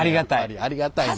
ありがたい。